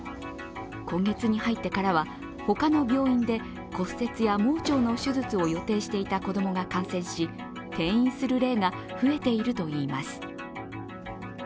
今月に入ってからは他の病院で骨折や盲腸の手術を予定していた子供が感染し、転院する例が増えているといいます。